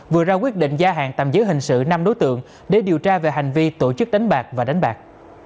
vừa ra quyết định gia hạn tạm giữ hình sự năm đối tượng để điều tra về hành vi tổ chức đánh bạc và đánh bạc